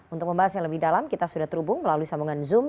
untuk membahasnya lebih dalam kita sudah terhubung melalui sambungan zoom